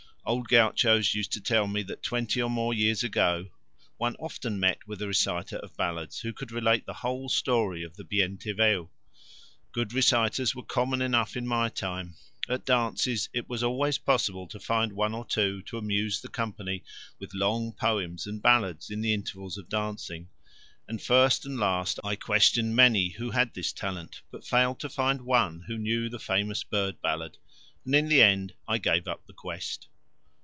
Old gauchos used to tell me that twenty or more years ago one often met with a reciter of ballads who could relate the whole story of the Bien te veo. Good reciters were common enough in my time: at dances it was always possible to find one or two to amuse the company with long poems and ballads in the intervals of dancing, and first and last I questioned many who had this talent, but failed to find one who knew the famous bird ballad, and in the end I gave up the quest.